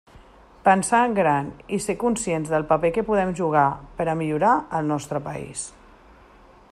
Pensar en gran i ser conscients del paper que podem jugar per a millorar el nostre país.